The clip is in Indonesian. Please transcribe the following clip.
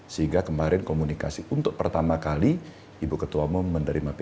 sehingga kemarin komunikasi untuk pertama kali ibu ketua umum menerima pp